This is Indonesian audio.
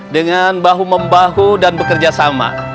dengan bahu membahu dan bekerja sama